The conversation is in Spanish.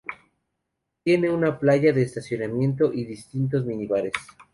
Tiene una playa de estacionamiento y distintos mini-bares.